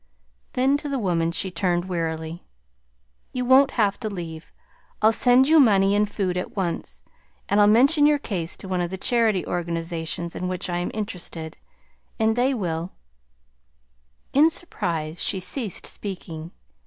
Then to the woman she turned wearily. "You won't have to leave. I'll send you money and food at once, and I'll mention your case to one of the charity organizations in which I am interested, and they will " In surprise she ceased speaking.